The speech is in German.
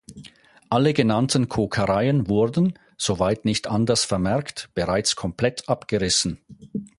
Alle genannten Kokereien wurden, soweit nicht anders vermerkt, bereits komplett abgerissen.